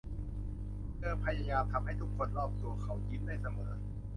เธอพยายามทำให้ทุกคนรอบตัวเขายิ้มได้เสมอ